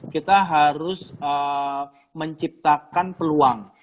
kita harus menciptakan peluang